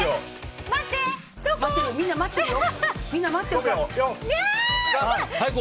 みんな待ってるよ。